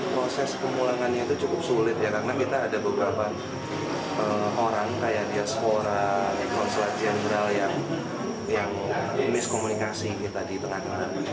proses pemulangannya itu cukup sulit ya karena kita ada beberapa orang kayak diaspora konsulat jenderal yang miskomunikasi kita di tengah tengah